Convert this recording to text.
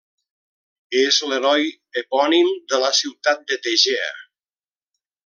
És l'heroi epònim de la ciutat de Tegea.